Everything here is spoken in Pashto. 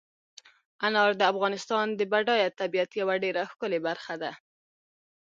انار د افغانستان د بډایه طبیعت یوه ډېره ښکلې برخه ده.